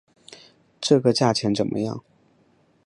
这个价钱怎么样？